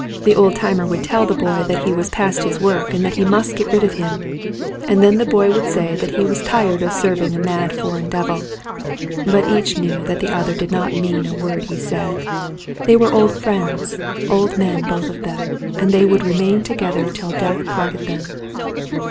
The old timer would tell the boy that he was past his work and that he must get rid of him, and then the boy would say that he was tired of serving a mad foreign devil. But each knew that the other did not mean a word he said. They were old friends, old men both of them, and they would remain together till death parted them.